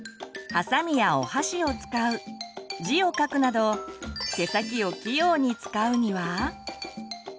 はさみやお箸を使う字を書くなど手先を器用に使うには？